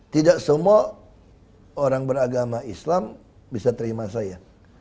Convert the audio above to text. tidak semua orang beragama islam bisa terima saya